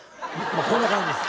こんな感じです。